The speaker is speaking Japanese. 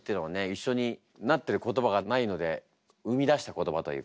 一緒になってる言葉がないので生み出した言葉というかね